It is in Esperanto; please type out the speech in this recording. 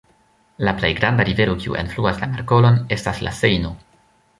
La plej granda rivero kiu enfluas la markolon estas la Sejno.